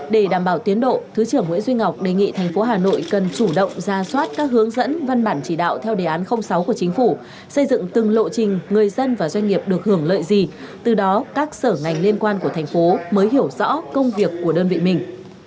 để đảm bảo tiến độ thứ trưởng nguyễn duy ngọc đề nghị thành phố hà nội cần chủ động ra soát các hướng dẫn văn bản chỉ đạo theo đề án sáu của chính phủ xây dựng từng lộ trình người dân và doanh nghiệp được hưởng lợi gì từ đó các sở ngành liên quan của thành phố mới hiểu rõ công việc của đơn vị mình